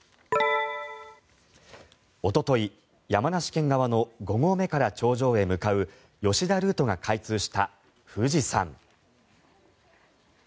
おととい、山梨県側の５合目から頂上へ向かう吉田ルートが開通した富士山。